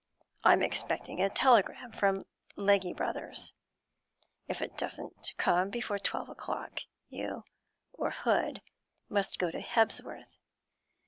I'm expecting a telegram from Legge Brothers; if it doesn't come before twelve o'clock, you or Hood must go to Hebsworth.